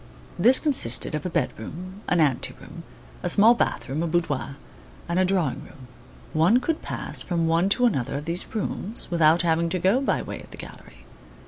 This consisted of a bed room, an ante room, a small bath room, a boudoir, and a drawing room. One could pass from one to another of these rooms without having to go by way of the gallery.